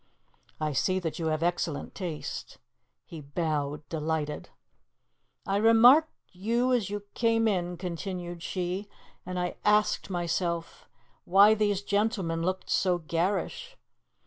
"I see that you have excellent taste." He bowed, delighted. "I remarked you as you came in," continued she, "and I asked myself why these gentlemen looked so garish.